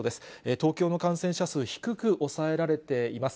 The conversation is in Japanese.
東京の感染者数、低く抑えられています。